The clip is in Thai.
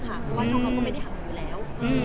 เพราะว่าช่องเขาก็ไม่ได้หาหนูได้เลย